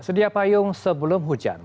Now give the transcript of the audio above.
sedia payung sebelum hujan